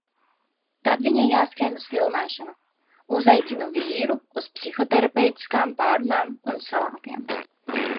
Tad viņai jāskrien uz filmēšanu. Uzaicinu vīru uz psihoterapeitiskām pārrunām un salātiem.